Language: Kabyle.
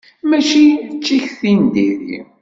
Mačči d tikti n diri.